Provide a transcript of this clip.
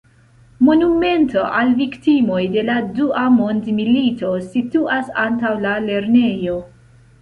Monumento al viktimoj de la Dua Mondmilito situas antaŭ la lernejo.